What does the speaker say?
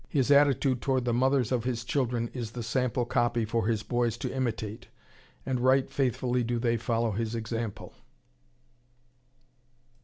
His attitude toward the mothers of his children is the "sample copy" for his boys to imitate, and right faithfully do they follow his example.